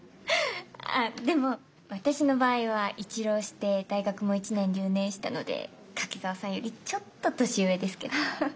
あっでも私の場合は一浪して大学も１年留年したので柿沢さんよりちょっと年上ですけど。